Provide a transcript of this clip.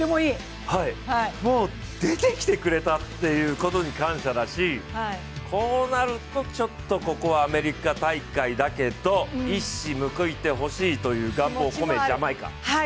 もう出てきてくれたっていうことに感謝だしこうなると、ちょっとここはアメリカ大会だけど、一矢報いてほしいという願望を込めて、ジャマイカ。